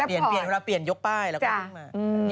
เปลี่ยนเวลาเปลี่ยนยกป้ายแล้วก็ลุงมา